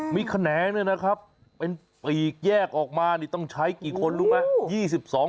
มีแขนงด้วยนะครับเป็นปีกแยกออกมานี่ต้องใช้กี่คนรู้ไหม